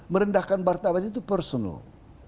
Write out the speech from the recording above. merendahkan martabat itu personal